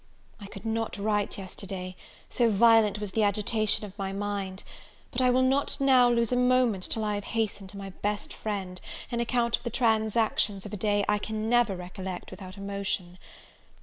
I COULD not write yesterday, so violent was the agitation of my mind; but I will not, now, lose a moment till I have hastened to my best friend an account of the transactions of a day I can never recollect without emotion.